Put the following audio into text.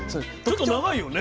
ちょっと長いよね。